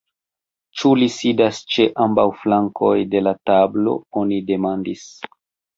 Ĉu li sidas ĉe ambaŭ flankoj de la tablo, oni demandis.